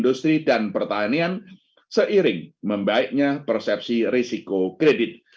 dan pertanian seiring membaiknya persepsi risiko kredit